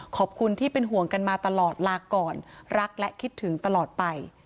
ขอบคุณที่เป็นห่วงกันมาตลอดลาก่อนรักและคิดถึงตลอดไป